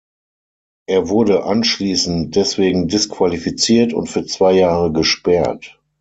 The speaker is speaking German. Er wurde anschließend deswegen disqualifiziert und für zwei Jahre gesperrt.